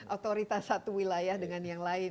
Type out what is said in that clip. otoritas satu wilayah dengan yang lain